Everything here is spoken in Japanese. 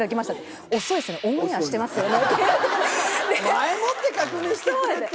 前もって確認してくれ！と。